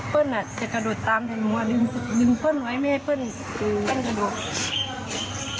เปิ้ลอาจจะกระโดดตามทางทางว่าดึงดึงเพื่อนไว้ไม่ให้เพื่อนอืม